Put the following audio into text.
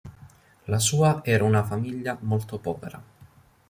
La sua era una famiglia molto povera.